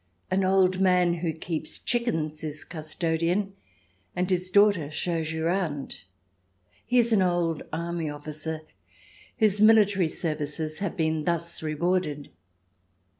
An old man who keeps chickens is custodian, and his daughter shows you round. He is an old army officer, whose military services have been thus rewarded.